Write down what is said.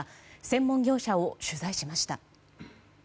専門業者を取材しました。